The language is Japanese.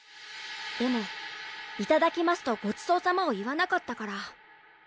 でも「いただきます」と「ごちそうさま」を言わなかったから。